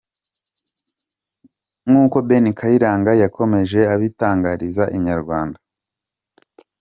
Nkuko Ben Kayiranga yakomeje abitangariza inyarwanda.